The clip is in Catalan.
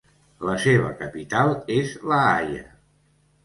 La seva capital és la Haia.